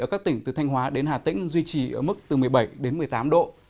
ở các tỉnh từ thanh hóa đến hà tĩnh duy trì ở mức từ một mươi bảy đến một mươi tám độ